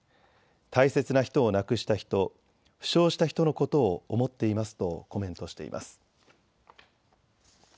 大切な人を亡くした人、負傷した人のことを思っていますとコメントしています。